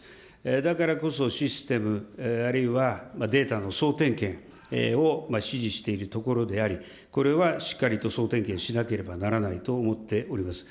だからこそシステムあるいはデータの総点検を指示しているところであり、これはしっかりと総点検しなければならないと思っております。